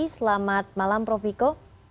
selamat malam prof viko